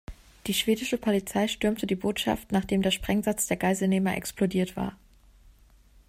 Die schwedische Polizei stürmte die Botschaft, nachdem der Sprengsatz der Geiselnehmer explodiert war.